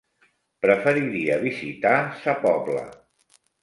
Preferiria visitar Sa Pobla.